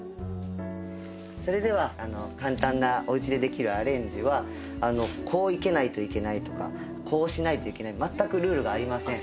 それでは簡単なおうちでできるアレンジはこう生けないといけないとかこうしないといけない全くルールがありません。